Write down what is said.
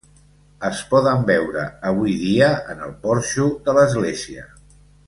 Es poden veure avui dia en el porxo de l'església.